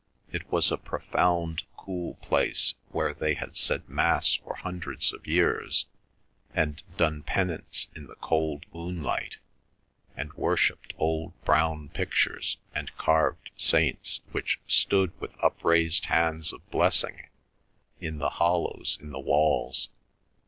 It was a profound cool place where they had said Mass for hundreds of years, and done penance in the cold moonlight, and worshipped old brown pictures and carved saints which stood with upraised hands of blessing in the hollows in the walls.